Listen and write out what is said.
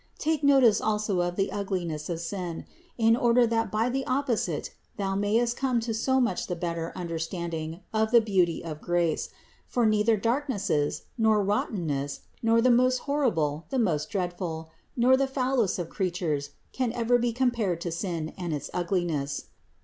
Take notice also of the ugliness of sin, in order that by the opposite thou mayest come to so much the better under standing of the beauty of grace; for neither darknesses, nor rottenness, nor the most horrible, the most dreadful, nor the foulest of creatures can ever be compared to sin and to its ugliness.